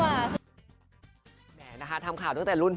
อาชีพก็อาจจะเขาอาจจะไม่ชินเท่าหนูนะ